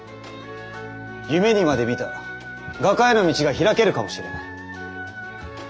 夢にまでみた画家への道が開けるかもしれない。